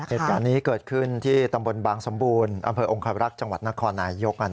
เหตุการณ์นี้เกิดขึ้นที่ตำบลบางสมบูรณ์อำเภอองคารักษ์จังหวัดนครนายยก